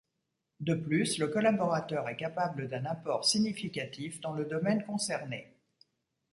De plus, le collaborateur est capable d'un apport significatif dans le domaine concerné.